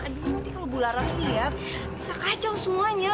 aduh nanti kalau bu laras lihat bisa kacau semuanya